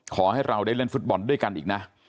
ขอให้เราได้เล่นฟุตบอลด้วยกันอีกนะ